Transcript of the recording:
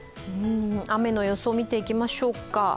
雨の予想を見ていきましょうか。